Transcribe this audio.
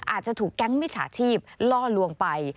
อาจจะถูกแก๊งมิจฉาชีพล่อลวงไป